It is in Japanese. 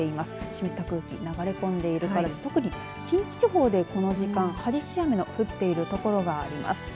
湿った空気、流れ込んでいるから特に、近畿地方でこの時間激しい雨の降っている所があります。